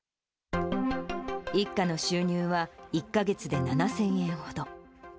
一家の収入は１か月で７０００円ほど。